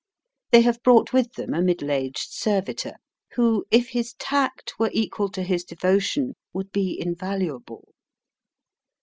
They have brought with them a middle aged servitor, who, if his tact were equal to his devotion, would be invaluable.